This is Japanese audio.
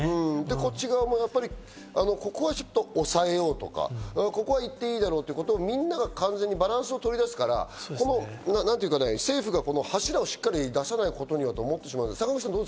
こっち側も、ここは抑えようとか、ここは行っていいだろうってことをみんなが完全にバランスを取り出すから、政府が柱をしっかり出さないことにはと思ってしまう、坂口さん。